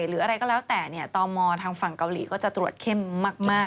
หรืออะไรก็แล้วแต่ตมทางฝั่งเกาหลีก็จะตรวจเข้มมาก